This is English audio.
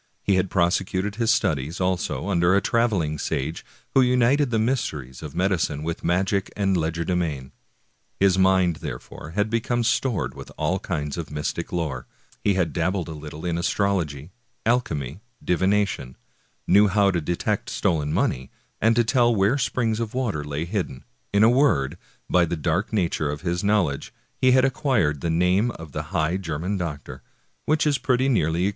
He had prosecuted his studies, also, under a traveling sage who united the mysteries of medicine with magic and legerdemain. His mind, therefore, had become stored with all kinds of mystic lore; he had dabbled a little in astrology, alchemy, divination;^ knew how to detect stolen money, and to tell where springs of water lay hidden; in a word, by the dark nature of his knowledge he had acquired the name of the " High German Doctor," which is pretty nearly equivalent to that of necromancer.